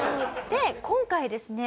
で今回ですね